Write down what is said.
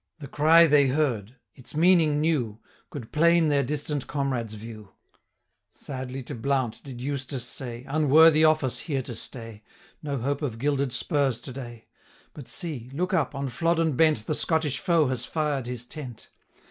The cry they heard, its meaning knew, Could plain their distant comrades view: 740 Sadly to Blount did Eustace say, 'Unworthy office here to stay! No hope of gilded spurs to day. But see! look up on Flodden bent The Scottish foe has fired his tent.'